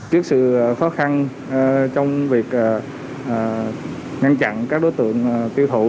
trước sự khó khăn trong việc ngăn chặn các đối tượng tiêu thụ